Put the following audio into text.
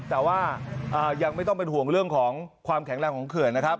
แต่ว่ายังไม่ต้องเป็นห่วงเรื่องของความแข็งแรงของเขื่อนนะครับ